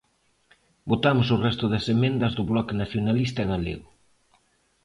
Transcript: Votamos o resto das emendas do Bloque Nacionalista Galego.